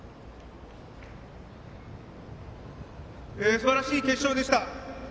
すばらしい決勝でした。